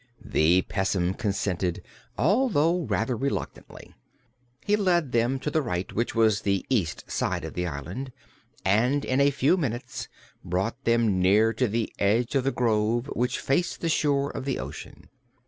Then Pessim consented, although rather reluctantly. He led them to the right, which was the east side of the island, and in a few minutes brought them near to the edge of the grove which faced the shore of the ocean.